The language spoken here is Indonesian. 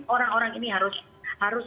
orang orang ini harus